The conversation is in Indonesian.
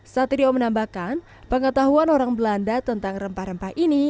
satrio menambahkan pengetahuan orang belanda tentang rempah rempah ini